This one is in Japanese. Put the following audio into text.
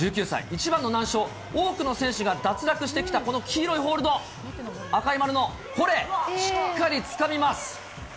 一番の難所、多くの選手が脱落してきたこの黄色いホールド、赤い丸のこれ、しっかりつかみます。